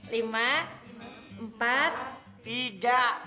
lima empat tiga dua satu